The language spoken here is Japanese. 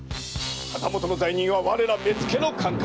旗本の罪人は我ら目付の管轄。